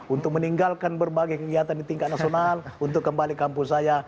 untuk meninggalkan berbagai kegiatan di tingkat nasional untuk kembali kampus saya